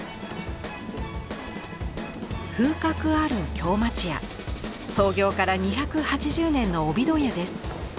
風格ある京町家創業から２８０年の帯問屋です。